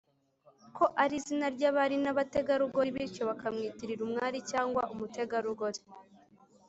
ko ari izina ry abari n abategarugori bityo bakamwitirira umwari cyangwa umutegarugori